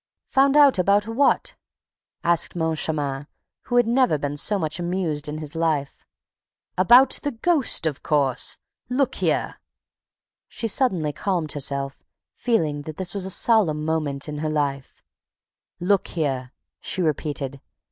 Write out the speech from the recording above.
"Found out about what?" asked Moncharmin, who had never been so much amused in his life. "About the ghost, of course! ... Look here ..." She suddenly calmed herself, feeling that this was a solemn moment in her life: "LOOK HERE," she repeated.